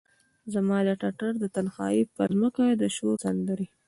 زما د ټټر د تنهایې پرمځکه د شور سندرې،